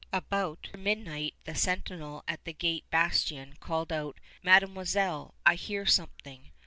About midnight the sentinel at the gate bastion called out, "Mademoiselle! I hear something!"